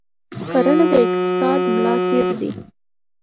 کرنه د اقتصاد ملا تیر دی.